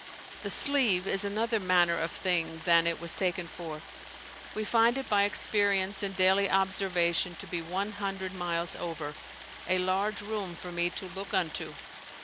The SLEEVE is another manner of thing than it was taken for: we find it by experience and daily observation to be 100 miles over: a large room for me to look unto!"